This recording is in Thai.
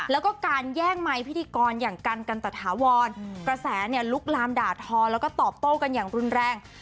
แล้วก็การแย่งไมค์พิธีกรอย่างกันกันตะถาวรกระแสเนี่ยลุกลามด่าทอแล้วก็ตอบโต้กันอย่างรุนแรง